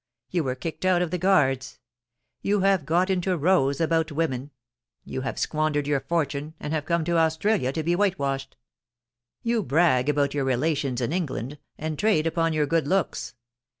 You were kicked out of the Guards. You have got into rows about women ; you have squandered your fortune, and have come out to Australia to be white washed. You brag about your relations in England, and trade upon your good looks.